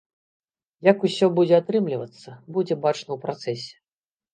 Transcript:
Як усё будзе атрымлівацца, будзе бачна ў працэсе.